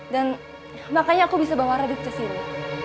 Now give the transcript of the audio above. dan makanya aku bisa bawa radit kesini